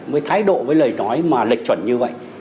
với thái độ với lời nói mà lệch chuẩn như vậy